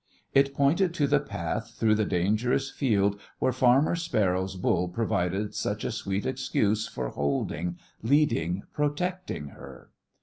It pointed to the path through the dangerous field where Farmer Sparrow's bull provided such a sweet excuse for holding, leading protecting her.